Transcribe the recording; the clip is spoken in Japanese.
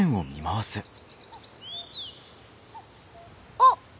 あっ！